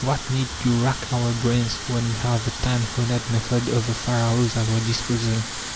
What need to rack our brains when we have the time honoured method of the Pharaohs at our disposal?